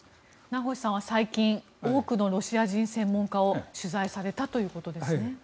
名越さんは最近多くのロシア人専門家を取材されたということですね。